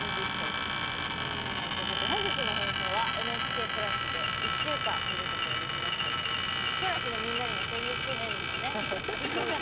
本日の放送はＮＨＫプラスで１週間見ることができますのでクラスのみんなにも宣伝してね、みんなね。